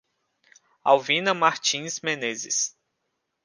Alvina Martins Menezes